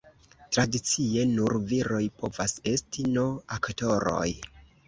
Tradicie, nur viroj povas esti no-aktoroj.